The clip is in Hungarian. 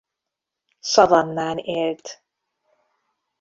Szavannán élt.